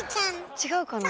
違うかな？